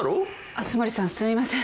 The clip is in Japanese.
熱護さんすみません